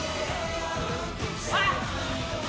あっ！